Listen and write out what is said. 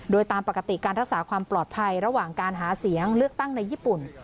โดยตามปกติการรักษาความปลอดภัยระหว่างการหาเสียงเลือกตั้งในญี่ปุ่น